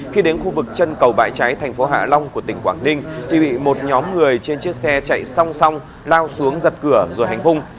khi đến khu vực chân cầu bãi cháy thành phố hạ long của tỉnh quảng ninh thì bị một nhóm người trên chiếc xe chạy song song lao xuống giật cửa rồi hành hung